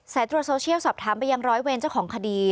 สายตรวจโซเชียลสอบถามไปยังร้อยเวรเจ้าของคดี